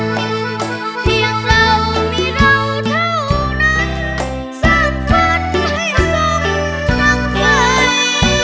เพียงเรามีเราเท่านั้นสร้างฝนให้สมนังไข่